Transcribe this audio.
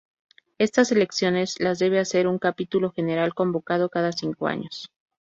Estas elecciones las debe hacer un Capítulo General, convocado cada cinco años.